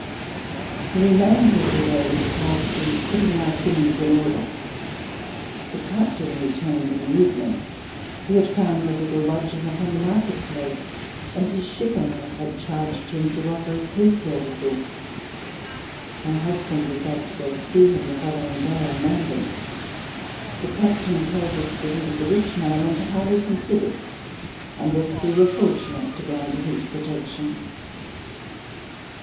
The remainder of the day was passed in putting our things in order. The captain returned in the evening. He had found a little lodging upon the Market Place, and his ship owner had charged him to offer us his services. My husband resolved to go to see him the following day on landing. The captain told us that he was a rich man and highly considered, and that we were fortunate to be under his protection.